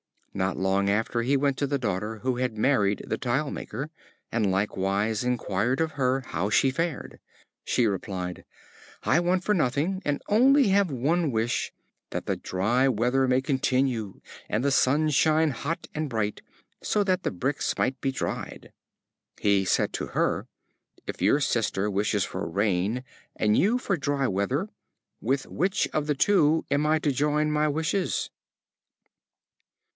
Not long after he went to the daughter who had married the tile maker, and likewise inquired of her how she fared; she replied: "I want for nothing, and have only one wish, that the dry weather may continue, and the sun shine hot and bright, so that the bricks might be dried." He said to her: "If your sister wishes for rain, and you for dry weather, with which of the two am I to join my wishes?"